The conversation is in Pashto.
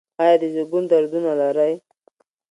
ایا د زیږون دردونه لرئ؟